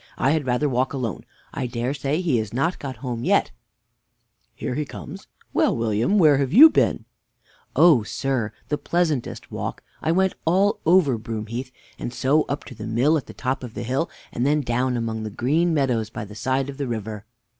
I had rather walk alone. I dare say he is not got home yet. Mr. A. Here he comes. Well, William, where have you been? W. Oh, sir, the pleasantest walk! I went all over Broom heath, and so up to the mill at the top of the hill, and then down among the green meadows by the side of the river. _Mr.